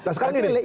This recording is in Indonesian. nah sekarang gini